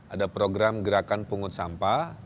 ada program gerakan pungut sampah